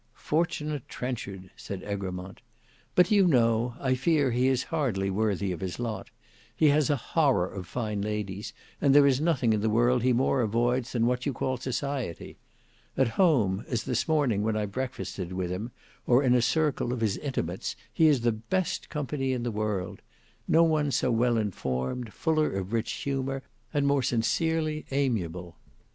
"Fortunate Trenchard!" said Egremont. "But do you know I fear he is hardly worthy of his lot. He has a horror of fine ladies; and there is nothing in the world he more avoids than what you call society. At home, as this morning when I breakfasted with him, or in a circle of his intimates, he is the best company in the world; no one so well informed, fuller of rich humour, and more sincerely amiable.